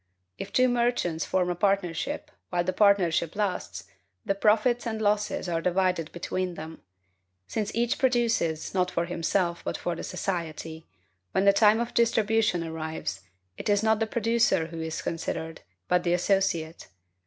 If two merchants form a partnership, while the partnership lasts, the profits and losses are divided between them; since each produces, not for himself, but for the society: when the time of distribution arrives, it is not the producer who is considered, but the associate.